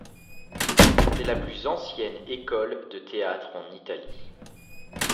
C'est la plus ancienne école de théâtre en Italie..